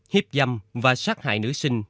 hiếp dăm và sát hại nữ sinh